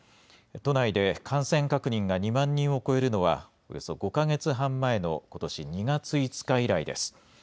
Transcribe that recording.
都内で感染確認が２万人を超えるのは、およそ５か月半前の、ことし２月５日以来です。